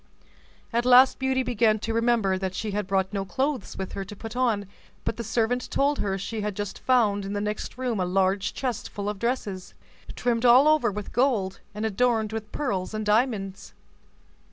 At last Beauty began to remember that she had brought no clothes with her to put on; but the servant told her she had just found in the next room a large chest full of dresses, trimmed all over with gold, and adorned within pearls and diamonds.